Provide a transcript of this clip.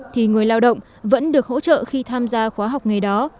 thì người lao động vẫn được hỗ trợ khi tham gia khóa học nghề đó